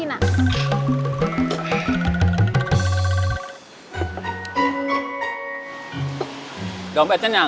di luarani bang aja aja